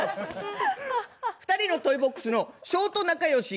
２人のトイボックスのショート仲良し